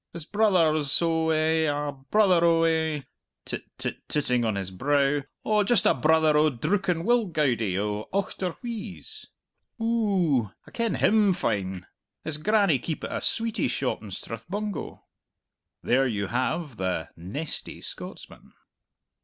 He's a brother o' eh, a brother o' eh" (tit tit titting on his brow) "oh, just a brother o' Drucken Will Goudie o' Auchterwheeze! Oo ooh, I ken him fine. His grannie keepit a sweetie shop in Strathbungo." There you have the "nesty" Scotsman.